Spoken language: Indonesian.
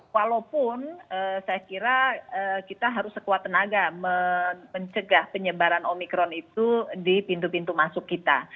walaupun saya kira kita harus sekuat tenaga mencegah penyebaran omikron itu di pintu pintu masuk kita